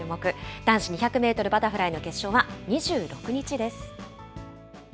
男子２００メートルバタフライの決勝は２６日です。